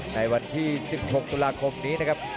ในวันที่๑๖ตุลาคมนี้นะครับ